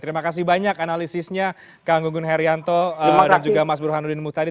terima kasih banyak analisisnya kang gungun haryanto dan juga mas burhanudin muthadi